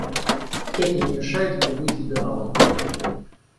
Это не мешает мне быть либералом.